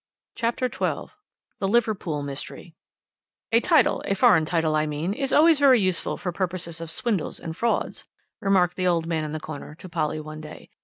CHAPTER XII THE LIVERPOOL MYSTERY "A title a foreign title, I mean is always very useful for purposes of swindles and frauds," remarked the man in the corner to Polly one day.